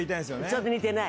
ちょっと似てない。